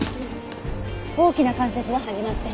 大きな関節は始まってない。